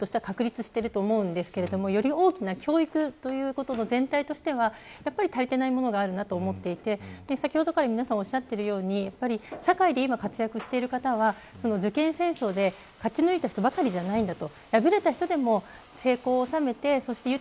受験って、システムとしては確立していると思うんですけどより大きな教育ということの全体としてはやっぱり足りてないものがあるなと思っていて先ほどから皆さんおっしゃってように社会で今活躍している方は受験戦争で勝ち抜いた人ばかりじゃない。